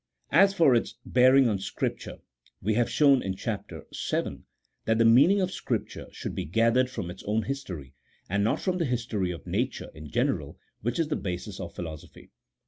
As for its bearing on Scripture, we have shown in Chap. VH. that the meaning of ScrijDture should be gathered from its own history, and not from the history of nature in general, which is the basis of philosophy.